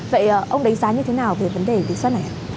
vậy ông đánh giá như thế nào về vấn đề kỳ soát này ạ